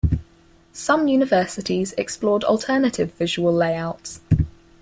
Some universities explored alternative visual layouts.